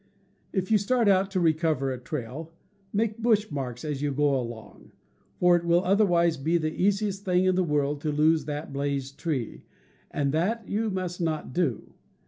If you start out to recover a trail, make bush marks as you go along, for it will otherwise be the easiest thing in the worid to lose that blazed tree, and that you must not do.